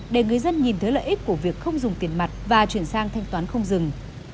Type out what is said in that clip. để người dân nhìn thấy lợi ích của việc không dùng tiền mặt và chuyển sang thanh toán không dừng